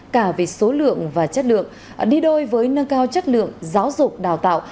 cả về số lượng và chất lượng đi đôi với nâng cao chất lượng giáo dục đào tạo